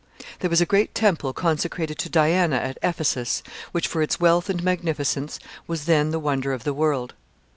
There was a great temple consecrated to Diana at Ephesus, which, for its wealth and magnificence, was then the wonder of the world.